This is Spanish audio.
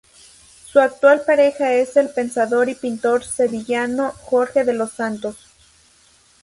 Su actual pareja es el pensador y pintor sevillano Jorge de los Santos.